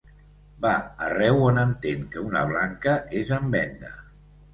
Va arreu on entén que una blanca és en venda.